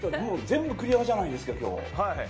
全部クリアじゃないですか今日。